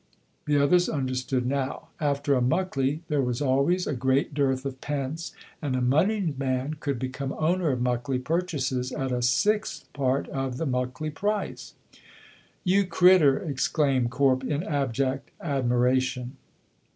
The others understood now. After a Muckley there was always a great dearth of pence, and a moneyed man could become owner of Muckley purchases at a sixth part of the Muckley price. "You crittur!" exclaimed Corp, in abject admiration.